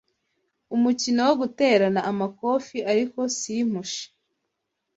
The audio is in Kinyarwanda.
umukino wo guterana amakofi ariko simpushe